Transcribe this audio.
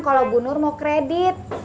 kalau bu nur mau kredit